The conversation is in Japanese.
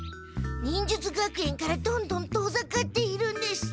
忍術学園からどんどん遠ざかっているんです。